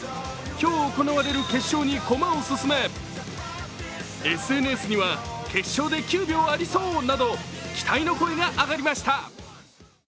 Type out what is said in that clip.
今日行われる決勝に駒を進め、ＳＮＳには決勝で９秒ありそうなど期待の声が上がりました。